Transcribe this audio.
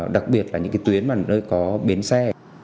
đặc biệt là những tuyến có biến xe